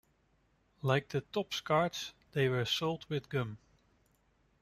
Like the Topps cards, they were sold with gum.